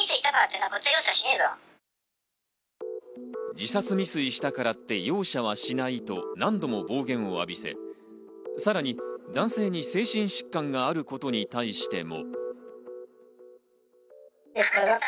自殺未遂したからって容赦はしないと何度も暴言を浴びせ、さらに男性に精神疾患があることに対しても。